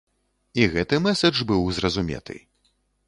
І гэты мэсэдж быў зразуметы.